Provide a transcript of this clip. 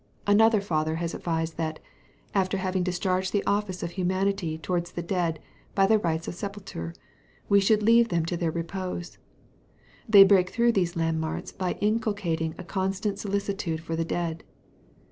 Another father has advised that, after having discharged the office of humanity towards the dead by the rites of sepulture, we should leave them to their repose. They break through these landmarks by inculcating a constant solicitude for the dead.